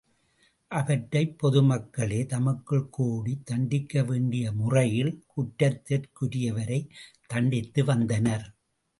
அவற்றைப் பொதுமக்களே தமக்குள் கூடித் தண்டிக்க வேண்டிய முறையில் குற்றத்திற்குரியவரைத் தண்டித்து வந்தனர்.